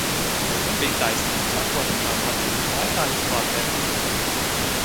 "Viņam bija taisnība, sakot, ka "mazumiņš laikā izglābj deviņus"."